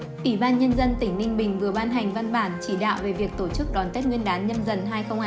ủy ban nhân dân tỉnh ninh bình vừa ban hành văn bản chỉ đạo về việc tổ chức đón tết nguyên đán nhâm dần hai nghìn hai mươi bốn